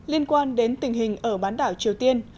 liên quan đến tình hình ở bán đảo triều tiên